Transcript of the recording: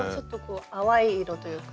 淡い色というか。